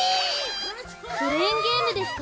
クレーンゲームですか？